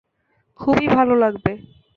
খুবই ভাল লাগবে।